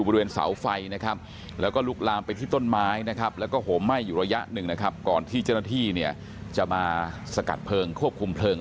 ถนนพฤชบุรีตัดใหม่นะฮะนี่ครับคุณผู้ชมครับ